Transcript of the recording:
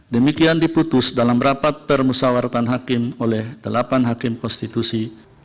demikian diputus dalam rapat permusawaratan hakim oleh delapan hakim konstitusi